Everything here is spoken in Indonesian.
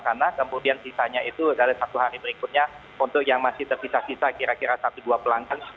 karena kemudian sisanya itu dari satu hari berikutnya untuk yang masih terpisah pisah kira kira satu dua pelanggan